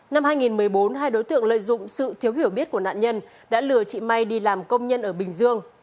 năm hai nghìn một mươi bốn hai đối tượng lợi dụng sự thiếu hiểu biết của nạn nhân đã lừa chị may đi làm công nhân ở bình dương